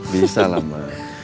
bisa lah ma